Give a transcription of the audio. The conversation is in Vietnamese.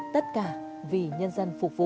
tất cả vì nhân dân phục vụ